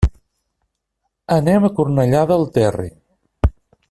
Anem a Cornellà del Terri.